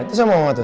itu sama mama tuh